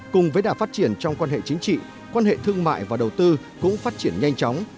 cùng với đả phát triển trong quan hệ chính trị quan hệ thương mại và đầu tư cũng phát triển nhanh chóng